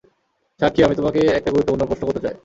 সাক্ষী, আমি তোমাকে একটা গুরুত্বপূর্ণ প্রশ্ন করতে চাই।